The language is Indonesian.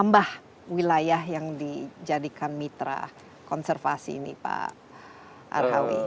menambah wilayah yang dijadikan mitra konservasi ini pak arhawi